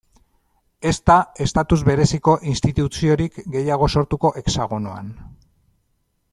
Ez da estatus bereziko instituziorik gehiago sortuko Hexagonoan.